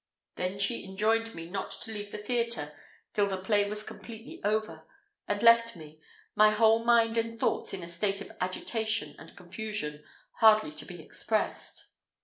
She then enjoined me not to leave the theatre till the play was completely over, and left me, my whole mind and thoughts in a state of agitation and confusion hardly to be expressed.